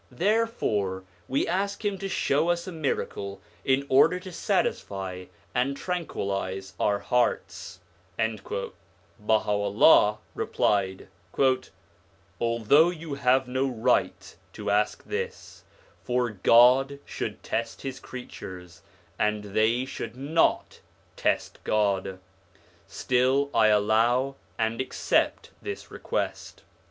Therefore we ask him to show us a miracle in order to satisfy and tranquillise our hearts/ Baha'u'llah replied: 'Although you have no right to ask this, for God should test His creatures, and they should not test God, still I allow and accept this request.